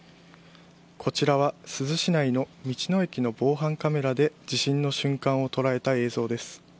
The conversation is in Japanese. こちらは珠洲市内の道の駅の防犯カメラで地震の瞬間を捉えた映像です。